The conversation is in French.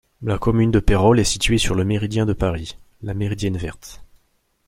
La commune de Peyrolles est située sur le méridien de Paris, la Méridienne verte.